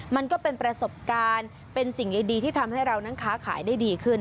มันก็เป็นประสบการณ์เป็นสิ่งดีที่ทำให้เรานั้นค้าขายได้ดีขึ้น